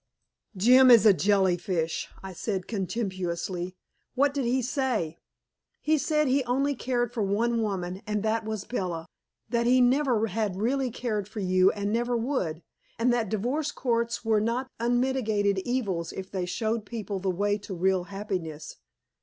"Jim is a jellyfish," I said contemptuously. "What did he say?" "He said he only cared for one woman, and that was Bella; that he never had really cared for you and never would, and that divorce courts were not unmitigated evils if they showed people the way to real happiness.